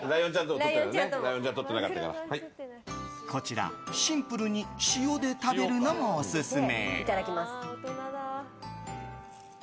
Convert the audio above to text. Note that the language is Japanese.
こちらシンプルに塩で食べるのもオススメ。